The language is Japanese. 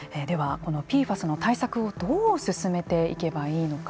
このＰＦＡＳの対策をどう進めていけばいいのか。